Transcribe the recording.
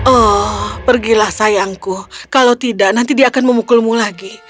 oh pergilah sayangku kalau tidak nanti dia akan memukulmu lagi